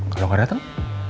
kalau gak dateng